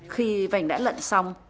khi vành đã lận xong